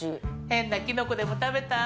変なキノコでも食べた？